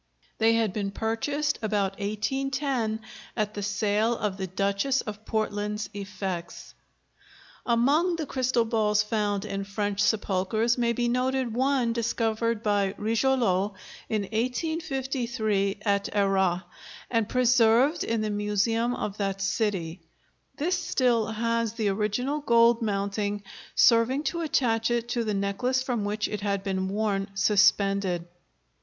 They had been purchased about 1810 at the sale of the Duchess of Portland's effects. Among the crystal balls found in French sepulchres may be noted one discovered by Rigollot in 1853 at Arras, and preserved in the Museum of that city; this still has the original gold mounting serving to attach it to the necklace from which it had been worn suspended.